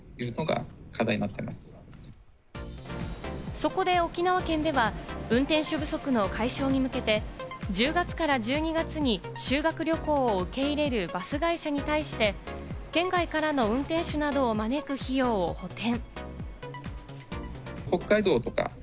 そこで沖縄県では、運転手不足の解消に向けて、１０月から１２月に修学旅行を受け入れるバス会社に対して、県外からの運転手などを招く費用を補填。